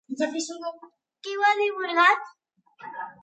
Qui ho ha divulgat?